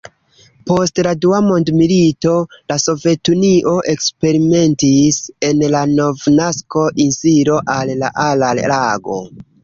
Post la dua mondmilito, la Sovetunio eksperimentis en la Novnasko-insilo en la Aral-lago.